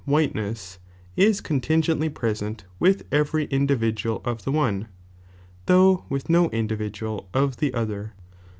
"wiiiteness," is contingently present with every individual of the one, though with no individual of the other, ' Ex.